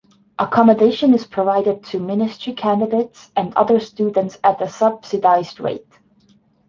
Accommodation is provided to ministry candidates and other students at a subsidised rate.